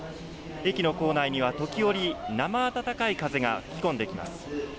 駅の構内には時折、なま暖かい風が吹き込んできます。